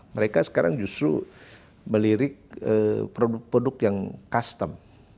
mereka sekarang justru melirik produk produk yang custom